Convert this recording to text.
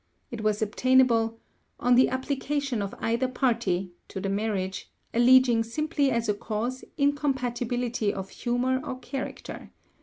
It was obtainable "on the application of either party [to the marriage] alleging simply as a cause, incompatibility of humour or character.